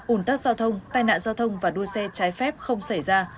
ủn tắc giao thông tai nạn giao thông và đua xe trái phép không xảy ra